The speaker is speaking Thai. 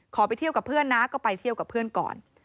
ไปเที่ยวกับเพื่อนนะก็ไปเที่ยวกับเพื่อนก่อน